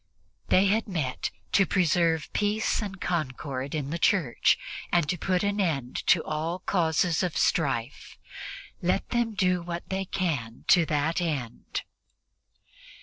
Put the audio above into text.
They had met to preserve peace and concord in the Church and to put an end to all causes of strife. Let them do what they can to that end.